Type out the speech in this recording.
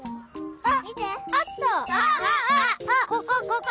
あっ！